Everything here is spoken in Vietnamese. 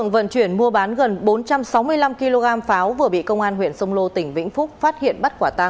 b mull viswaiti từng đọc từ chelsea